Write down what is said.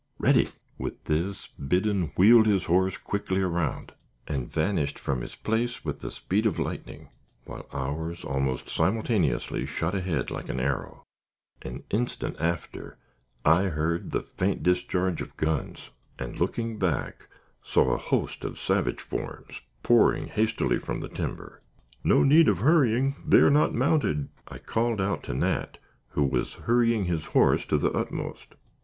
Ready!" With this, Biddon wheeled his horse quickly around, and vanished from his place with the speed of lightning, while ours almost simultaneously shot ahead like an arrow. An instant after, I heard the faint discharge of guns, and, looking back, saw a host of savage forms pouring hastily from the timber. [Illustration: "Looking back saw a host of savage forms."] "No need of hurrying. They are not mounted," I called out to Nat, who has hurrying his horse to the utmost.